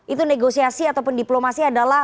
itu negosiasi ataupun diplomasi adalah